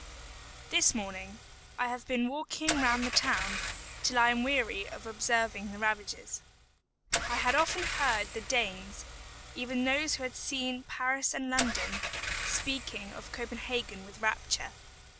This morning I have been walking round the town, till I am weary of observing the ravages. I had often heard the Danes, even those who had seen Paris and London, speak of Copenhagen with rapture.